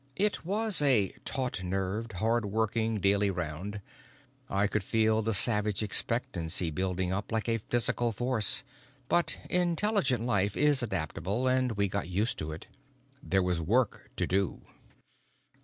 It was a taut nerved, hard working daily round. I could feel the savage expectancy building up like a physical force, but intelligent life is adaptable and we got used to it. There was work to do.